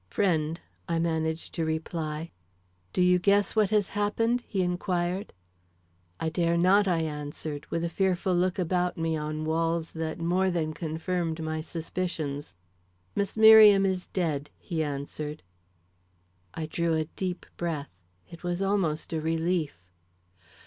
"Friend," I managed to reply. "Do you guess what has happened?" he inquired. "I dare not," I answered, with a fearful look about me on walls that more than confirmed my suspicions. "Miss Merriam is dead," he answered. I drew a deep breath. It was almost a relief.